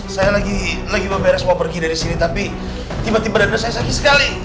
saya lagi beres mau pergi dari sini tapi tiba tiba dada saya sakit sekali